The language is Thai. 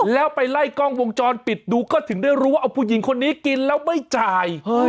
แล้วไปไล่กล้องวงจรปิดดูก็ถึงได้รู้ว่าเอาผู้หญิงคนนี้กินแล้วไม่จ่าย